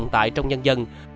trong nhân dân